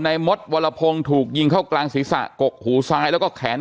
มดวรพงศ์ถูกยิงเข้ากลางศีรษะกกหูซ้ายแล้วก็แขน